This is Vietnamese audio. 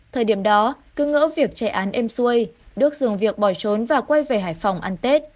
thời điểm đó cứ ngỡ việc chạy án êm xuôi đức dừng việc bỏ trốn và quay về hải phòng ăn tết